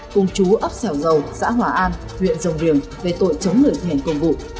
cùng chú ấp xẻo dầu xã hòa an huyện rồng riềng về tội chống lửa thiền công vụ